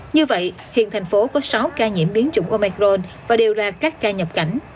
như vậy hiện thành phố có sáu ca nhiễm biến chủng omicron và đều là các ca nhập cảnh